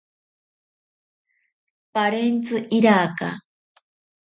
Parentzi iraka.